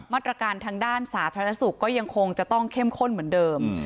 มาตรการทางด้านสาธารณสุขก็ยังคงจะต้องเข้มข้นเหมือนเดิม